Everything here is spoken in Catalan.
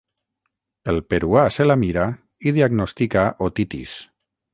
El peruà se la mira i diagnostica otitis.